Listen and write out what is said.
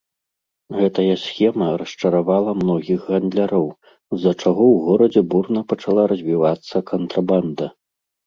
Гэтая схема расчаравала многіх гандляроў, з-за чаго ў горадзе бурна пачала развівацца кантрабанда.